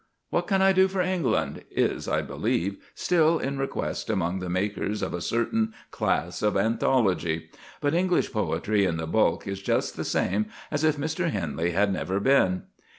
"What can I do for England?" is, I believe, still in request among the makers of a certain class of anthology; but English poetry in the bulk is just the same as if Mr. Henley had never been.